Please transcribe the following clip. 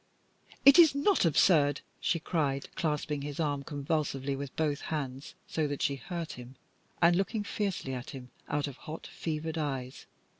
"It is not absurd," she cried, clasping his arm convulsively with both hands so that she hurt him, and looking fiercely at him out of hot, fevered eyes.